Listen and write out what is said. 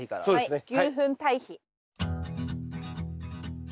はい。